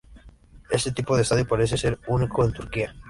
Este tipo de estadio parece ser único en Turquía.